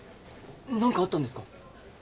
何かあったんですか？